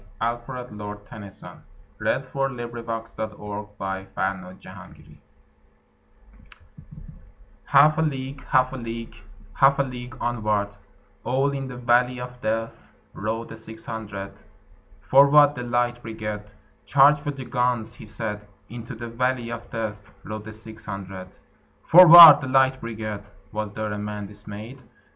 Alfred, Lord Tennyson Charge of the Light Brigade HALF a league, half a league, Half a league onward, All in the valley of Death Rode the six hundred. "Forward, the Light Brigade! Charge for the guns!" he said: Into the valley of Death Rode the six hundred. "Forward, the Light Brigade!" Was there a man dismayed?